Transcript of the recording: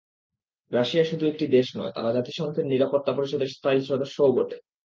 Russia শুধু একটি দেশ নয়, তারা জাতিসংঘের নিরাপত্তা পরিষদের স্থায়ী সদস্যও বটে।